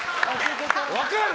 分かる！